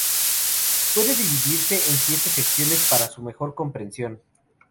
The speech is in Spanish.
Puede dividirse en siete secciones para su mejor comprensión.